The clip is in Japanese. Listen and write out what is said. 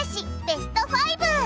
ベスト５。